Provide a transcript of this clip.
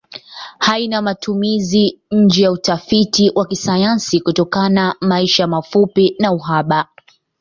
Haina matumizi nje ya utafiti wa kisayansi kutokana maisha mafupi na uhaba.